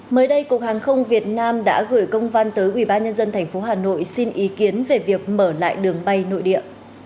mới đây cục hàng không việt nam đã gửi công văn tới ubnd tp hà nội xin ý kiến về việc mở lại đường bay nội địa